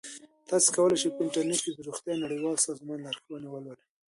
تاسو کولی شئ په انټرنیټ کې د روغتیا نړیوال سازمان لارښوونې ولولئ.